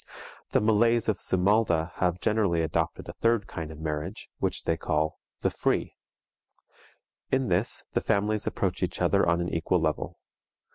The Malays of Sumalda have generally adopted a third kind of marriage, which they call the free. In this the families approach each other on an equal level.